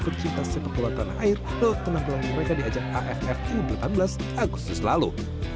ia pun berhasil menemukan pencinta sepak bola tanah air lewat penampilan mereka di ajak afru dua ribu delapan belas agustus lalu